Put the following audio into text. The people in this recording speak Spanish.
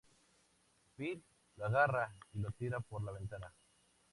Phil lo agarra y lo tira por la ventana.